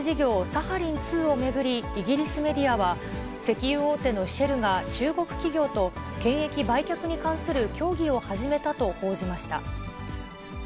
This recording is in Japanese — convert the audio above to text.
サハリン２を巡り、イギリスメディアは、石油大手のシェルが中国企業と、権益売却に関する協議を始めたと報じました。